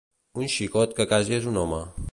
Un xicot que casi és un home